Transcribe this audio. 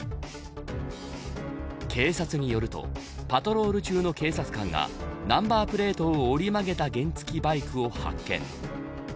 警察によるとパトロール中の警察官がナンバープレートを折り曲げた原付バイクを発見。